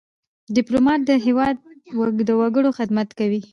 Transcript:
ډيپلومات د هېواد د وګړو خدمت کوي.